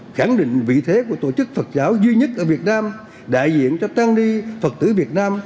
khẳng định vị thế của tổ chức phật giáo duy nhất ở việt nam đại diện cho tăng ni phật tử việt nam